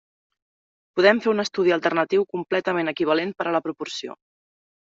Podem fer un estudi alternatiu completament equivalent per a la proporció.